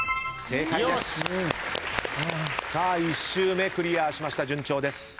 １周目クリアしました順調です。